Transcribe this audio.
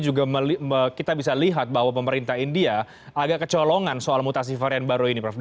juga kita bisa lihat bahwa pemerintah india agak kecolongan soal mutasi varian baru ini prof